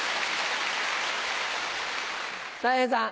たい平さん。